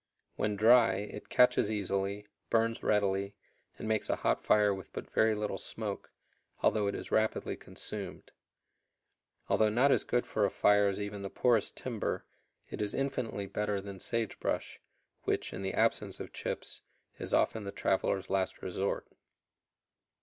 When dry, it catches easily, burns readily, and makes a hot fire with but very little smoke, although it is rapidly consumed. Although not as good for a fire as even the poorest timber it is infinitely better than sage brush, which, in the absence of chips, is often the traveler's last resort.